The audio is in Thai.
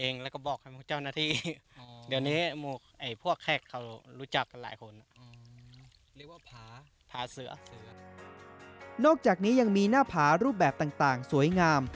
นอกจากนี้ยังมีหน้าผารูปแบบต่างสวยงาม